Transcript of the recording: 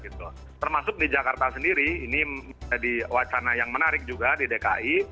termasuk di jakarta sendiri ini jadi wacana yang menarik juga di dki